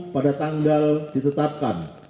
pada tanggal ditetapkan